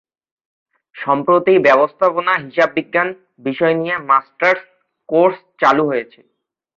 সম্প্রতি ব্যবস্থাপনা, হিসাববিজ্ঞান বিষয় নিয়ে মাস্টার্স কোর্স চালু হয়েছে।